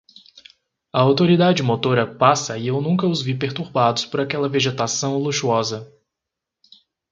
A autoridade motora passa e eu nunca os vi perturbados por aquela vegetação luxuosa.